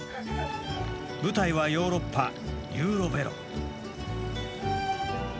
舞台はヨーロッパ、ユーロヴェロ。